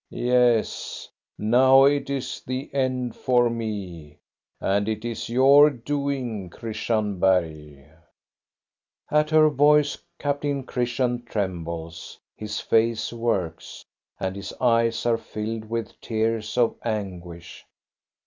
"Yes, now it is the end for me, and it is your doing, Christian Bergh." At her voice Captain Christian trembles, his face works, and his eyes are filled with tears of anguish.